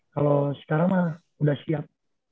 kalau sekarang mah udah siap